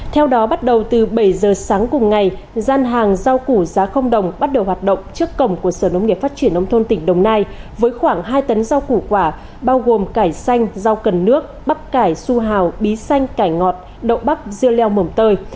theo đó bắt đầu từ bảy giờ sáng cùng ngày gian hàng rau củ giá không đồng bắt đầu hoạt động trước cổng của sở nông nghiệp phát triển nông thôn tỉnh đồng nai với khoảng hai tấn rau củ quả bao gồm cải xanh rau cần nước bắp cải su hào bí xanh cải ngọt đậu bắp rêu leo mồm tơi